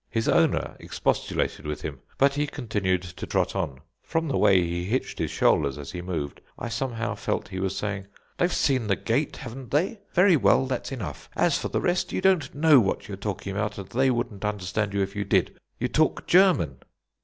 His owner expostulated with him, but he continued to trot on. From the way he hitched his shoulders as he moved, I somehow felt he was saying: "They've seen the Gate, haven't they? Very well, that's enough. As for the rest, you don't know what you are talking about, and they wouldn't understand you if you did. You talk German."